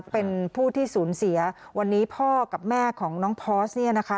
เป็นผู้ที่สูญเสียวันนี้พ่อกับแม่ของน้องพอร์สเนี่ยนะคะ